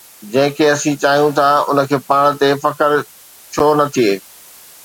جنهن کي اسين چاهيون ٿا، ان کي پاڻ تي فخر ڇو نه ٿئي؟